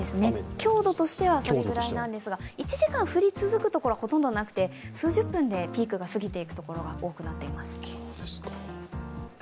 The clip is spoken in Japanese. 強度としてはそれくらいなんですが、１時間降り続くところはそんなになくて数十分でピークが過ぎていく所が多くなっています。